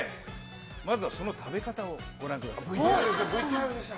まずは食べ方をご覧ください。